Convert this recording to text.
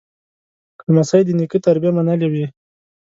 لمسی د نیکه تربیه منلې وي.